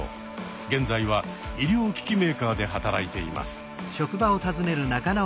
現在は医療機器メーカーで働いています。